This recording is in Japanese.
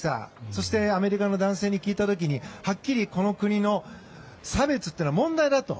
そして、アメリカの男性に聞いた時にはっきりこの国の差別は問題だと。